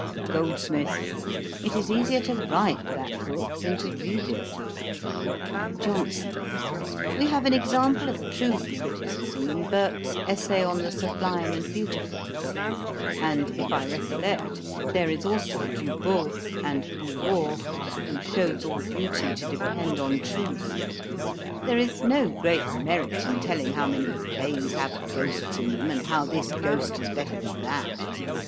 GOLDSMITH. 'It is easier to write that book, than to read it.' JOHNSON. 'We have an example of true criticism in Burke's Essay on the Sublime and Beautiful; and, if I recollect, there is also Du Bos; and Bouhours, who shews all beauty to depend on truth. There is no great merit in telling how many plays have ghosts in them, and how this Ghost is better than that.